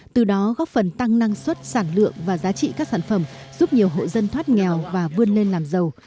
từ đó góp phần tăng năng suất sản lượng và giá trị các sản phẩm giúp nhiều hộ dân thoát nghèo và vươn lên làm giàu